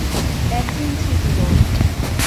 একদিন ছুটি নাও।